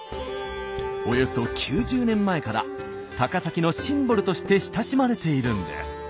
およそ９０年前から高崎のシンボルとして親しまれているんです。